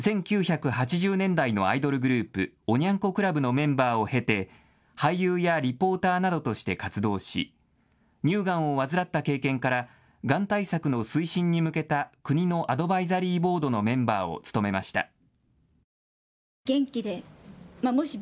１９８０年代のアイドルグループ、おニャン子クラブのメンバーを経て俳優やリポーターなどとして活動し乳がんを患った経験からがん対策の推進に向けた国のアドバイザリーボードのメンバーを務めました。